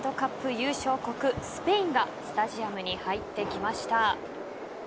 優勝国・スペインがスタジアムに入ってきました。